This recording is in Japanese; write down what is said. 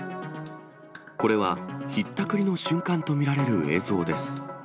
これは、ひったくりの瞬間と見られる映像です。